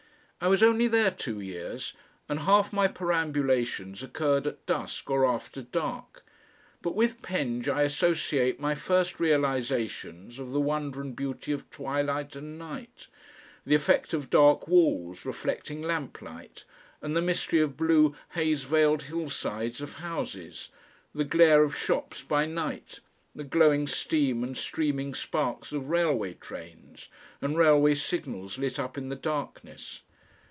I was only there two years, and half my perambulations occurred at dusk or after dark. But with Penge I associate my first realisations of the wonder and beauty of twilight and night, the effect of dark walls reflecting lamplight, and the mystery of blue haze veiled hillsides of houses, the glare of shops by night, the glowing steam and streaming sparks of railway trains and railway signals lit up in the darkness.